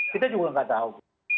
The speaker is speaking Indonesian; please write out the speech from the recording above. kita juga nggak tahu